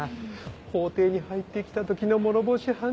法廷に入ってきた時の諸星判事の顔